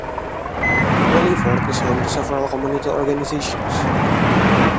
Wallingford is home to several community organizations.